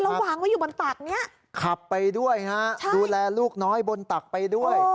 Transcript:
ระวังว่าอยู่บนตักเนี้ยขับไปด้วยฮะใช่ดูแลลูกน้อยบนตักไปด้วย